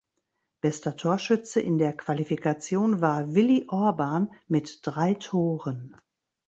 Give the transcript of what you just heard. Bester Torschütze in der Qualifikation war Willi Orban mit drei Toren.